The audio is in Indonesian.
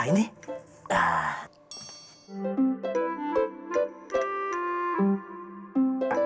ada sama mbah ini